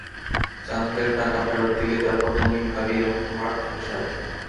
চান্দেলের টাকা ফেরত দিলে, তারপর তুমি, ভাবি এবং তোমার ছোট সাহেব।